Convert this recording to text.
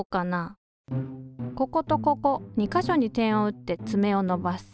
こことここ２か所に点を打ってつめを伸ばす。